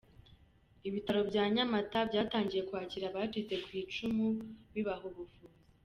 Ibitaro bya Nyamata byatangiye kwakira abacitse ku icumu bibaha ubuvuzi.